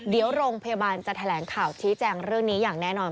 เดี๋ยวโรงพยาบาลจะแถลงข่าวชี้แจงเรื่องนี้อย่างแน่นอน